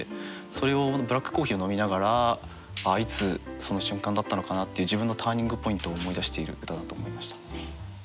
それをブラックコーヒーを飲みながらああいつその瞬間だったのかなっていう自分のターニングポイントを思い出している歌だと思いました。